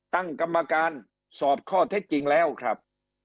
ตั้งกรรมการสอบข้อเท็จจริงแล้วครับ